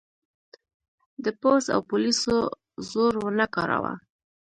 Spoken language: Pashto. د پوځ او پولیسو زور ونه کاراوه.